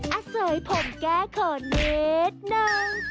อาเสยผมแก่ขนนิดนึง